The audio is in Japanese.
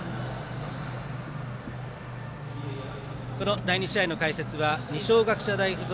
この第２試合の解説は二松学舎大学付属